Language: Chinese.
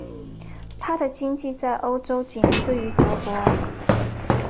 她的经济在欧洲仅次于德国。